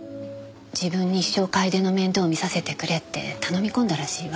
自分に一生楓の面倒を見させてくれって頼み込んだらしいわ。